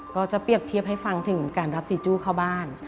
ก็จะเปรียบเทียบให้ฟังถึงการรับจีจู้เข้าบ้าน